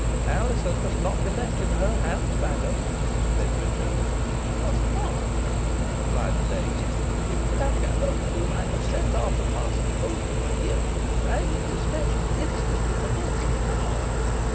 "Alizon must not be left in her hands, madam," said Richard. "She must not," replied the lady. "If Blackadder, whom I have sent after Parson Holden, were here, I would despatch him instantly to Malkin Tower."